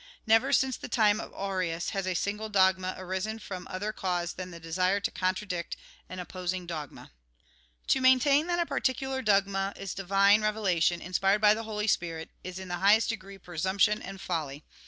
Never, since the time of Arius, has a single dogma arisen from other cause than the desire to contradict an opposing dogma. To maintain that a particular dogma is a divine revelation, inspired by the Holy Spirit, is in the highest degree presumption and folly.